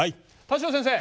田代先生！